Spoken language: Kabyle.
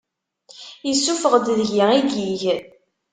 Isuffeɣ-d deg-i igig.